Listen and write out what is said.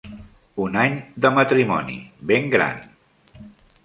Un any de matrimoni, ben gran.